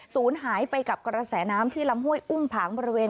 ศูนย์หายไปกับกระแสน้ำที่ลำห้วยอุ้มผางบริเวณ